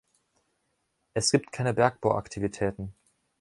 Es gibt keine Bergbauaktivitäten.